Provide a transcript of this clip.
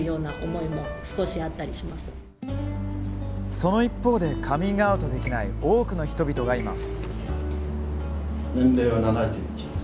その一方でカミングアウトできない多くの人々がいます。